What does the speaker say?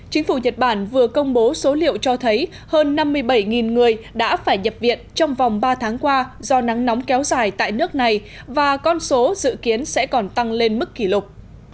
chính phủ nhật bản vừa công bố số liệu cho thấy hơn năm mươi bảy người đã phải nhập viện trong vòng ba tháng qua do nắng nóng kéo dài tại nước này và con số dự kiến sẽ còn tăng lên mức kỷ lục